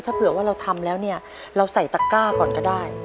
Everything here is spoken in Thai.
ถ้าเผื่อว่าเราทำแล้วเนี่ยเราใส่ตะก้าก่อนก็ได้